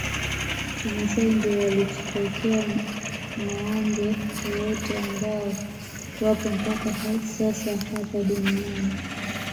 Wamasai ndio walipokea ngâombe wote ambao wapo mpaka sasa hapa duniani